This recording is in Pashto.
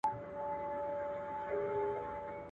هر ناحق ته حق ویل دوی ته آسان وه ,